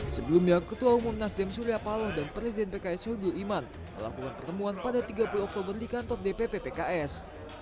sebelumnya ketua umum nasdem surya paloh dan presiden pks soebul iman melakukan pertemuan pada tiga puluh oktober di kantor dpp pks